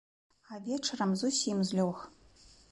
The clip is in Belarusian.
А вечарам зусім злёг.